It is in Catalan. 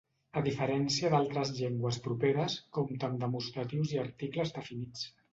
A diferència d'altres llengües properes, compta amb demostratius i articles definits.